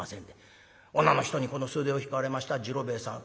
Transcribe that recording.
女の人にこの袖を引かれました次郎兵衛さん